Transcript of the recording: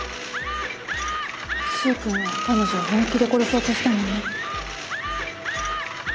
柊君は彼女を本気で殺そうとしたもんね。